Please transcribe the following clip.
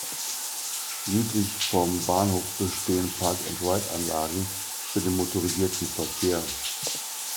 Südlich vom Bahnhof bestehen Park-and-ride-Anlagen für den motorisierten Verkehr.